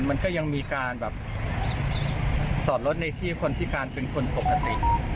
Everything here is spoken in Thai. มันก็ยังมีการแบบจอดรถในที่คนพิการเป็นคนปกติ